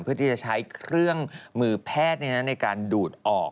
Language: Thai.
เพื่อที่จะใช้เครื่องมือแพทย์ในการดูดออก